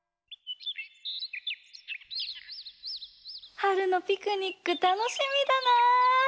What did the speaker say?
はるのピクニックたのしみだな！